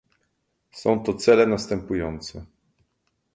Są to cele następujące